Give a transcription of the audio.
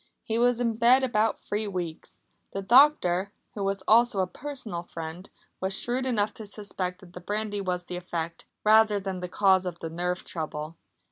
He was in bed about three weeks. The doctor, who was also a personal friend, was shrewd enough to suspect that the brandy was the effect, rather than the cause of the nerve trouble.